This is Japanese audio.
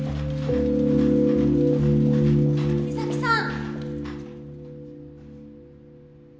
美咲さん。